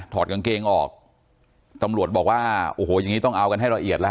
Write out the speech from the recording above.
อดกางเกงออกตำรวจบอกว่าโอ้โหอย่างนี้ต้องเอากันให้ละเอียดแล้ว